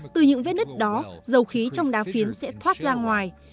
từ những vết nứt đó dầu khí trong đá phiến sẽ thoát ra ngoài